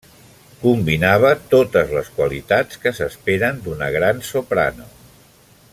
Combinava totes les qualitats que s'esperen d'una gran soprano.